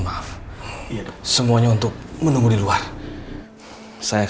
berhka itulah kita pak